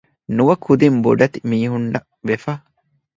ނުވަތަ ކުދި ބޮޑެތި މީހުންނަށް ވެފަ